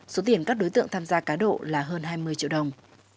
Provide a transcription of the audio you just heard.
số tiền các đối tượng tham gia cá độ là hơn hai mươi triệu đồng